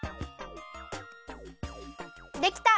できた！